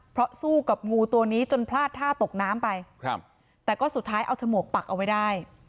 เพราะสู้กับงูตัวนี้จนพลาดท่าตกน้ำไปครับแต่ก็สุดท้ายเอาฉมวกปักเอาไว้ได้